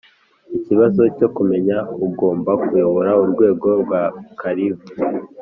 ikibazo cyo kumenya ugomba kuyobora urwego rwa kalifu